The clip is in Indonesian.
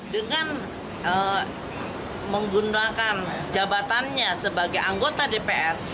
dengan menggunakan jabatannya sebagai anggota dpr